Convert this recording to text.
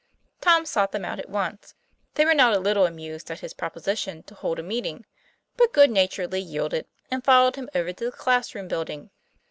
Tom sought them out at once. They were not a little amused at his proposition to hold a meeting; but good naturedly yielded, and followed him over to the class room building.